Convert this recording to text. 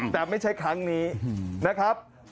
แต่ไม่ใช่ครั้งนี้นะครับ